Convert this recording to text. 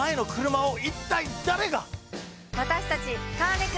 私たち。